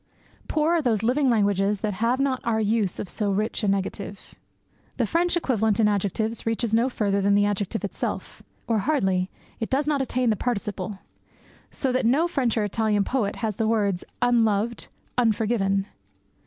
Poor are those living languages that have not our use of so rich a negative. The French equivalent in adjectives reaches no further than the adjective itself or hardly; it does not attain the participle; so that no French or Italian poet has the words "unloved", "unforgiven."